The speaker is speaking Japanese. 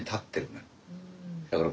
だから